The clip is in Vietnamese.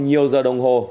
nhiều giờ đồng hồ